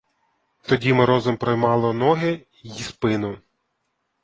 Тоді морозом проймало ноги й спину.